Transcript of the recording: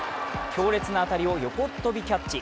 強烈な当たりを横っ跳びキャッチ。